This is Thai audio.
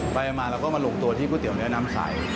ไปมาเราก็มาลงตัวที่ก๋วเนื้อน้ำใส